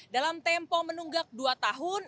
dalam tempo menunggak dua tahun